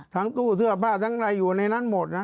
ตู้เสื้อผ้าทั้งอะไรอยู่ในนั้นหมดนะ